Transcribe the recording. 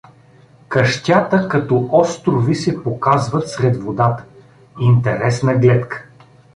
Къщята като острови се показват сред водата… Интересна гледка!